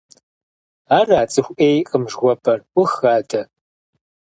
Ара цӀыху Ӏейкъым жыхуэпӀэр? Ӏух адэ!